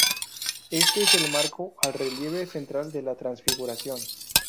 Este es el marco al relieve central de la Transfiguración.